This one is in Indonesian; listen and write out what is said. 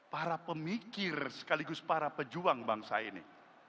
para pemikir sekaligus para pejuang bangsa ini